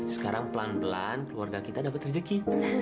sekarang pelan pelan keluarga kita dapat rezeki